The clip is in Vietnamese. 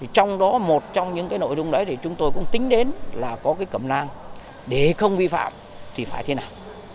trong đó một trong những nội dung đấy chúng tôi cũng tính đến là có cái cầm năng để không vi phạm thì phải thế nào